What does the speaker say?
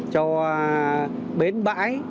cho bến bãi